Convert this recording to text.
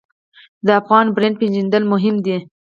د افغاني برنډ پیژندل مهم دي